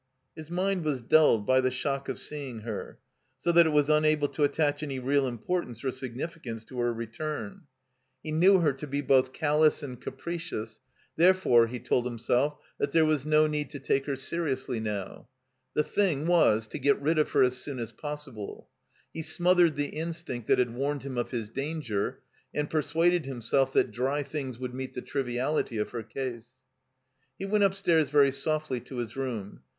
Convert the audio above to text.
His mind was dulled by the shock of seeing her, so that it was unable to attach any real importance or significance to her rettun. He knew her to be 380 THE COMBINED MAZE both callous and capricious; therefore, he told him self that there was no need to take her seriously now. The thing was to get rid of her as soon as possible. He smothered the instinct that had warned him of his danger, and persuaded himself that dry things would meet the triviality of her case. He went upstairs very softly to his room.